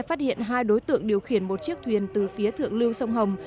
phát hiện hai đối tượng điều khiển một chiếc thuyền từ phía thượng lưu sông hồng